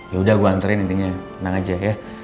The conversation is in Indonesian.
yaudah gue anterin intinya tenang aja ya